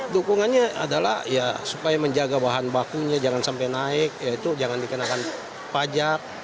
dukungannya adalah ya supaya menjaga bahan bakunya jangan sampai naik yaitu jangan dikenakan pajak